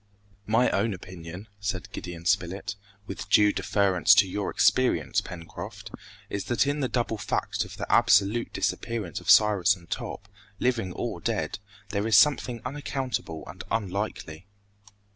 "My own opinion," said Gideon Spilett, "with due deference to your experience, Pencroft, is that in the double fact of the absolute disappearance of Cyrus and Top, living or dead, there is something unaccountable and unlikely."